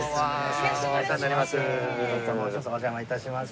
お邪魔いたします。